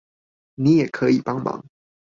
你也可以幫忙